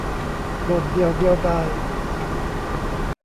โดดเดี่ยวเดียวดาย